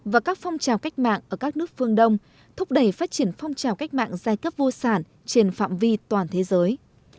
và các phong trào cách mạng ở các nước phương đông thúc đẩy phát triển phong trào cách mạng giai cấp vô sản trên phạm vi toàn thế giới